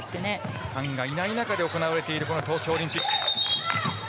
ファンがいない中で行われているこの東京オリンピック。